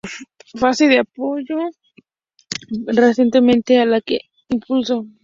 La fase de apoyo pasa rápidamente a la de impulso.